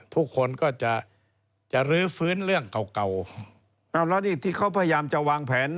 ทุกคนก็จะจะรื้อฟื้นเรื่องเก่าเก่าแล้วนี่ที่เขาพยายามจะวางแผน